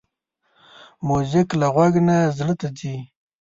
موزیک له غوږ نه زړه ته ځي.